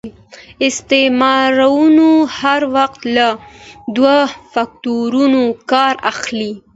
استعمارونه هر وخت له دوه فکټورنو کار اخلي.